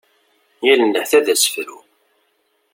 Yal nnehta d asefru.